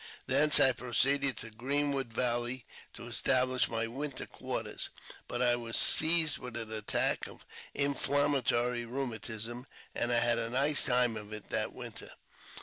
Thence I proceeded to Greenwood Valley to establish my winter quarters, but I was seized with an attack of inflamma tory rheumatism, and I had a nice time of it that winter.